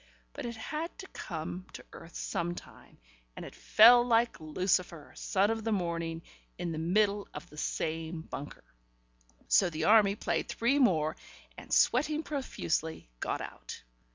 But it had to come to earth sometime, and it fell like Lucifer, son of the morning, in the middle of the same bunker. ... So the Army played three more, and, sweating profusely, got out.